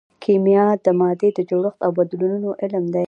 کیمیا د مادې د جوړښت او بدلونونو علم دی.